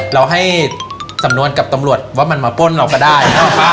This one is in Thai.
เราให้สำนวนกับตำรวจว่ามันมาป้นเราก็ได้